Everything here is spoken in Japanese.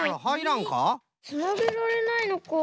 つなげられないのか。